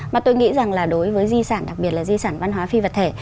mà tôi nghĩ rằng là đối với di sản đặc biệt là di sản văn hóa phi vật thể